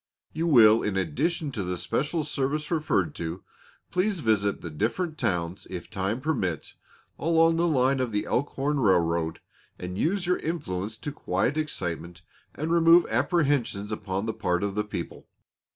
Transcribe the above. You will in addition to the special service refered to, please visit the different towns, if time permit, along the line of the Elkhorn Rail Road, and use your influence to quiet excitement and remove apprehensions upon the part of the people.